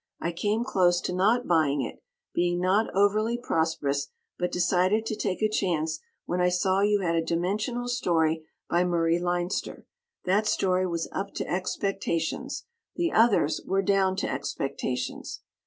I came close to not buying it, being not overly prosperous, but decided to take a chance when I saw you had a dimensional story by Murray Leinster. That story was up to expectations. The others were down to expectations.